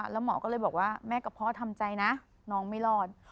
แล้วหมอก็เลยบอกว่าแม่กับพ่อทำใจนะน้องไม่รอด